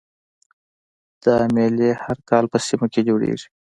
دا میلې هر کال په سیمه کې جوړیږي